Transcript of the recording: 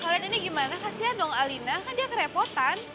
kalian ini gimana kasian dong alina kan dia kerepotan